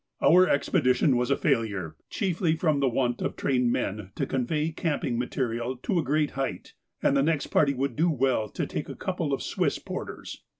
Our expedition was a failure, chiefly from the want of trained men to convey camping material to a great height, and the next party would do well to take a couple of Swiss porters.